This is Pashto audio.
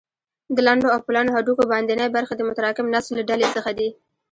د لنډو او پلنو هډوکو باندنۍ برخې د متراکم نسج له ډلې څخه دي.